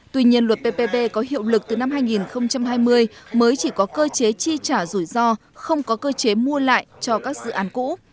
tuy nhiên luật ppp có hiệu lực từ năm hai nghìn hai mươi mới chỉ có cơ chế chi trả rủi ro không có cơ chế mua lại cho các dự án cũ